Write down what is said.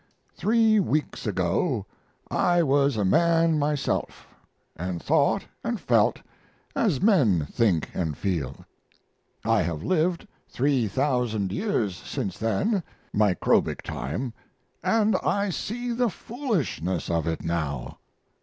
Three weeks ago I was a man myself, and thought and felt as men think and feel; I have lived 3,000 years since then [microbic time], and I see the foolishness of it now.